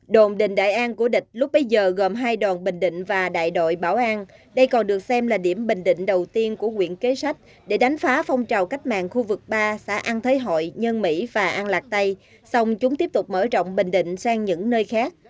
đồn đình đại an của địch lúc bấy giờ gồm hai đòn bình định và đại đội bảo an đây còn được xem là điểm bình định đầu tiên của quyện kế sách để đánh phá phong trào cách mạng khu vực ba xã an thế hội nhân mỹ và an lạc tây xong chúng tiếp tục mở rộng bình định sang những nơi khác